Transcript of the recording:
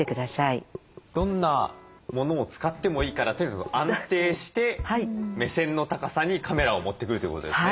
どんなものを使ってもいいからとにかく安定して目線の高さにカメラを持ってくるということですね。